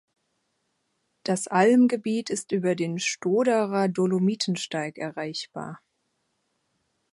Das Almgebiet ist über den Stoderer Dolomitensteig erreichbar.